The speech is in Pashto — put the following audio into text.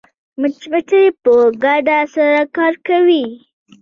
مچمچۍ په ګډه سره کار کوي